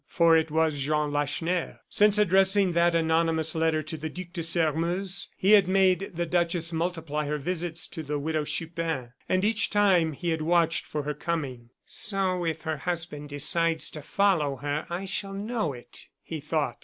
For it was Jean Lacheneur. Since addressing that anonymous letter to the Duc de Sairmeuse, he had made the duchess multiply her visits to the Widow Chupin; and each time he had watched for her coming. "So, if her husband decides to follow her I shall know it," he thought.